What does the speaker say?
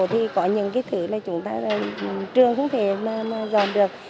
thì có những thứ trường không thể dọn được